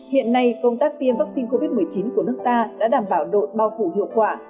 hiện nay công tác tiêm vaccine covid một mươi chín của nước ta đã đảm bảo độ bao phủ hiệu quả